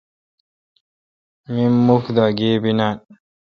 می مکھدا گیبی نان۔